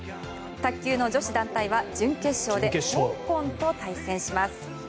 卓球の女子団体は準決勝で香港と対戦します。